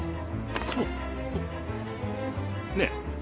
そうそうねえ！